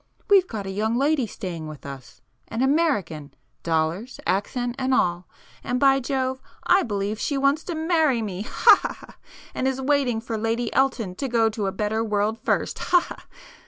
We've got a young lady staying with us,—an American, dollars, accent and all,—and by Jove I believe she wants to marry me ha ha ha! and is waiting for Lady Elton to go to a better world first, ha ha!